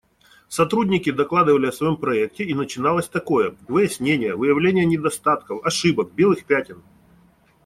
Сотрудники докладывали о своем проекте, и начиналось такое: выяснения, выявление недостатков, ошибок, белых пятен.